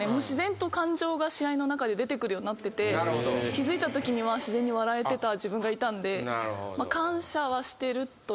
気付いたときには自然に笑えてた自分がいたんで。